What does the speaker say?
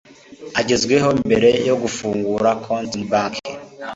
agezweho mbere yo gufungura konti muri banki